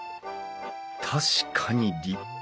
確かに立派。